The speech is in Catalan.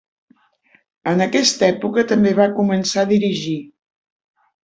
En aquesta època també va començar a dirigir.